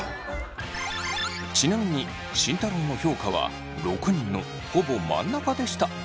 ちなみに慎太郎の評価は６人のほぼ真ん中でした。